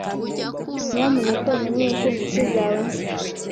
Nyamuneka umenyeshe inshuti zawe nshya.